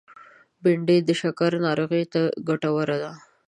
بېنډۍ د شکر ناروغو ته ګټوره ده